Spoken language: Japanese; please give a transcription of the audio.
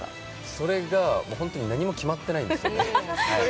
それが本当に何も決まってないんですよ。